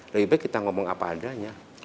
lebih baik kita ngomong apa adanya